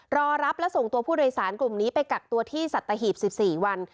รอรับและส่งตัวผู้โดยสารกลุ่มนี้ไปกักตัวที่สัตหีบ๑๔วัน